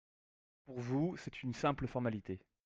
Pour vous, c’est une simple formalité.